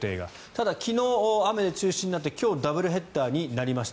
ただ、昨日、雨で中止になって今日ダブルヘッダーになりました。